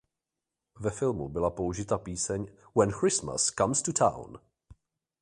Ve filmu byla použita píseň "When Christmas comes to town".